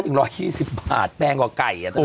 ๖๑๕ถึง๑๒๐บาทแพงกว่าไก่อะ